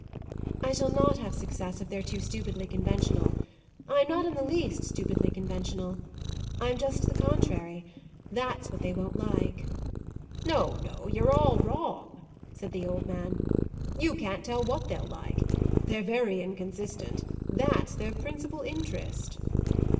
"I shall not have success if they're too stupidly conventional. I'm not in the least stupidly conventional. I'm just the contrary. That's what they won't like." "No, no, you're all wrong," said the old man. "You can't tell what they'll like. They're very inconsistent; that's their principal interest."